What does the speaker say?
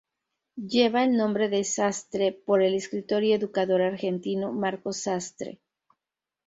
Lleva el nombre de Sastre, por el escritor y educador argentino, Marcos Sastre.